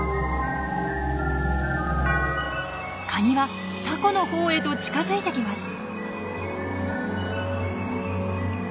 カニはタコの方へと近づいてきます。